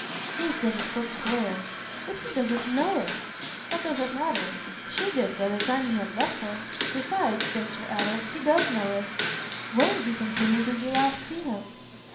Kate gave a quick glare. "But he doesn't know it!" "That doesn't matter. SHE did by the time he had left her. Besides," Densher added, "he does know it. When," he continued, "did you last see him?"